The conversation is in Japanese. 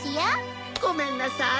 ごめんなさい。